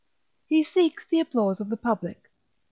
He seeks the applause of the public.